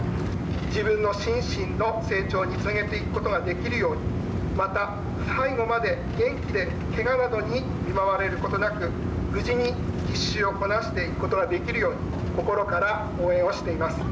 自分の心身の成長につなげていくことができるようにまた最後まで元気でけがなどに見舞われることなく無事に実習をこなしていくことができるように心から応援をしています。